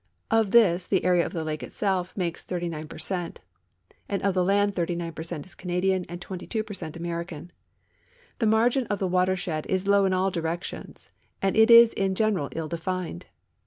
* Of this the area of the lake itself makes 39 per cent, anil of the land 39 ])er cent is Canadian and 22 i)er cent American. The margin of the watershed is low in all directions, and it is in general ill defineil.